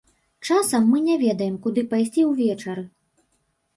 Часам мы не ведаем, куды пайсці ўвечары.